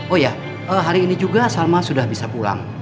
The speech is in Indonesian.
oh ya hari ini juga salma sudah bisa pulang